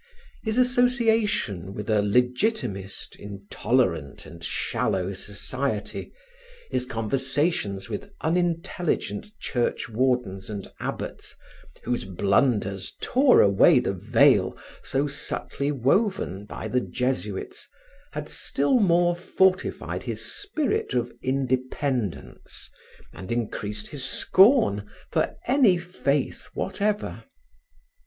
His association with a legitimist, intolerant and shallow society, his conversations with unintelligent church wardens and abbots, whose blunders tore away the veil so subtly woven by the Jesuits, had still more fortified his spirit of independence and increased his scorn for any faith whatever.